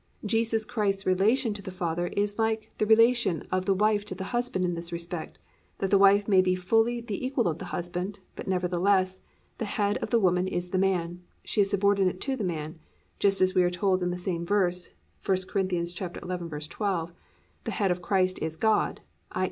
Jesus Christ's relation to the Father is like the relation of the wife to the husband in this respect, that the wife may be fully the equal of the husband, but nevertheless, the "Head of the Woman is the Man," she is subordinate to the man, just as we are told in the same verse (1 Cor. 11:12) +"The head of Christ is God,"+ i.